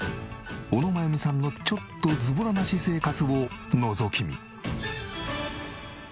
小野真弓さんのちょっとズボラな私生活をのぞき見。